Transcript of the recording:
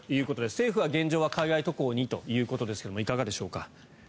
政府は現状は海外渡航にということですがいかがでしょうか。